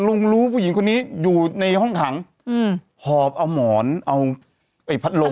รู้ผู้หญิงคนนี้อยู่ในห้องขังอืมหอบเอาหมอนเอาไอ้พัดลม